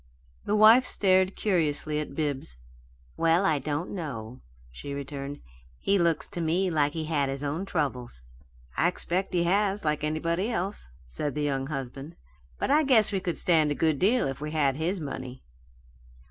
The wife stared curiously at Bibbs. "Well, I don't know," she returned. "He looks to me like he had his own troubles." "I expect he has, like anybody else," said the young husband, "but I guess we could stand a good deal if we had his money."